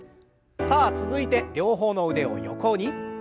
さあ続いて両方の腕を横に。